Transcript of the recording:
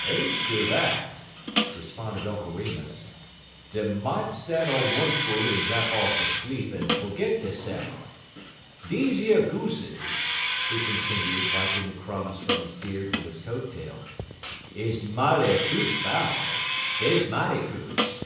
"Ez ter dat," responded Uncle Remus, "dey mought stan' on one foot en drap off ter sleep en fergit deyse'f. Deze yer gooses," he continued, wiping the crumbs from his beard with his coat tail, "is mighty kuse fowls; deyer mighty kuse.